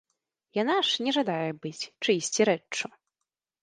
Яна ж не жадае быць чыйсьці рэччу.